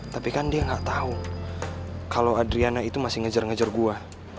tapi kan dia gak tau kalo adriana itu masih ngejar ngejar gua